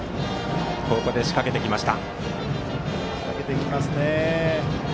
ここで仕掛けてきました。